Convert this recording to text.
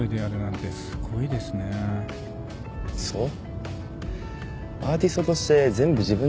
そう？